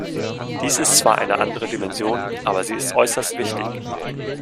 Dies ist zwar eine andere Dimension, aber sie ist äußerst wichtig.